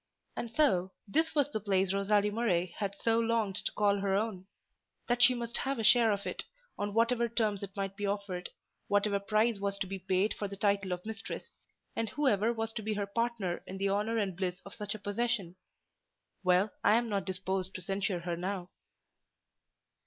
And so, this was the place Rosalie Murray had so longed to call her own, that she must have a share of it, on whatever terms it might be offered—whatever price was to be paid for the title of mistress, and whoever was to be her partner in the honour and bliss of such a possession! Well I am not disposed to censure her now.